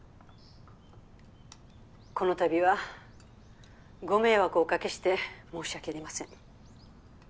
この度はご迷惑をおかけして申し訳ありません。